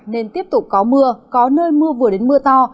nên tiếp tục có mưa có nơi mưa vừa đến mưa to